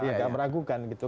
agak meragukan gitu